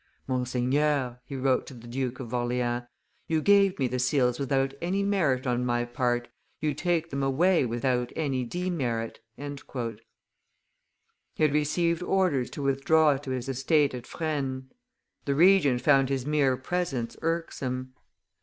"Monseigneur," he wrote to the Duke of Orleans, "you gave me the seals without any merit on my part, you take them away without any demerit." He had received orders to withdraw to his estate at Fresnes; the Regent found his mere presence irksome.